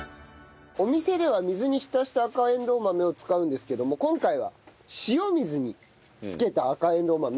お店では水に浸した赤えんどう豆を使うんですけども今回は塩水に漬けた赤えんどう豆を使いたいと思います。